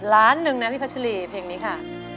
ล้านหนึ่งนะพี่พัชรีเพลงนี้ค่ะ